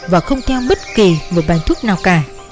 và không theo bất kỳ một bán thuốc nào cả